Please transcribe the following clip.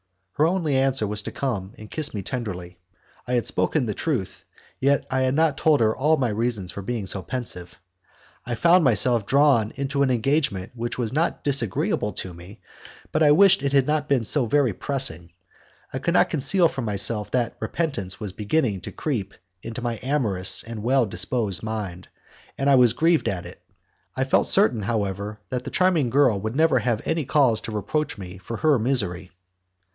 Her only answer was to come and kiss me tenderly. I had spoken the truth, yet I had not told her all my reasons for being so pensive. I found myself drawn into an engagement which was not disagreeable to me, but I wished it had not been so very pressing. I could not conceal from myself that repentance was beginning to creep into my amorous and well disposed mind, and I was grieved at it. I felt certain, however, that the charming girl would never have any cause to reproach me for her misery.